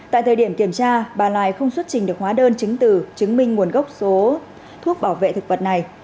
tại thời điểm kiểm tra bà lài không xuất trình được hóa đơn chứng từ chứng minh nguồn gốc số thuốc bảo vệ thực vật này